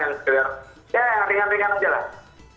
yang sekedar ya yang ringan ringan aja lah